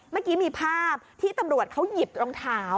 เมื่อกี้มีภาพที่ตำรวจเขาหยิบรองเท้า